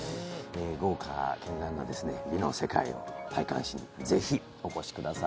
豪華絢爛な美の世界を体感しにぜひお越しください。